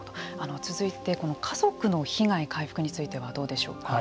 続いて家族の被害回復についてはどうでしょうか。